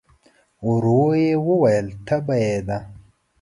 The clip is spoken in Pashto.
ورو يې وویل: تبه يې ده؟